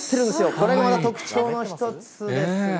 これが特徴の一つですね。